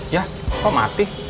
ya kok mati